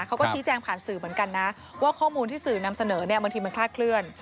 เขาก็ชี้แจงผ่านสื่อเหมือนกันนะว่าข้อมูลที่สื่อนำเสนอเนี่ยบางทีมันคลาดเคลื่อน